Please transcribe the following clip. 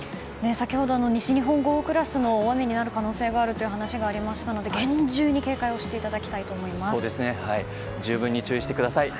先ほど西日本豪雨クラスの大雨になる可能性があるという話がありましたので、厳重に十分に注意してください。